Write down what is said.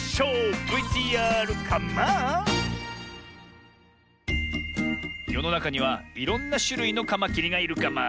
ＶＴＲカマン！よのなかにはいろんなしゅるいのカマキリがいるカマ。